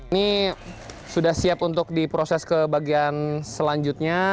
ini sudah siap untuk diproses ke bagian selanjutnya